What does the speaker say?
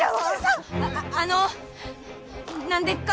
あああの何でっか？